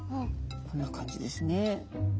こんな感じですね。